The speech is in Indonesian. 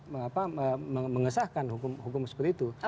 mk malah mengesahkan hukum seperti itu